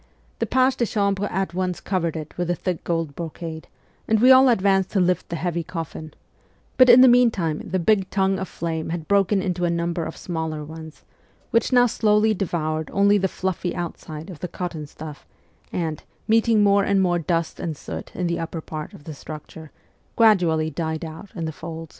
' The pages de chambre at once covered it with the thick gold brocade, and we all advanced to lift the heavy coffin ; but in the meantime the big tongue of flame had broken into a number of smaller ones, which now slowly devoured only the fluffy outside of the cotton stuff and, meeting more and more dust and soot in the upper part of the structure, gradually died out in the folds.